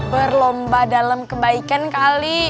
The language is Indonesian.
berlomba dalam kebaikan kali